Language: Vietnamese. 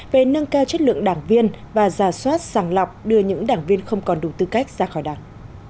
về nâng cao chất lượng đảng viên và giả soát sàng lọc đưa những đảng viên không còn đủ tư cách ra khỏi đảng